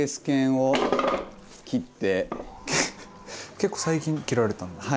結構最近切られたんですか？